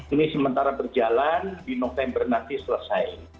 ini sementara berjalan di november nanti selesai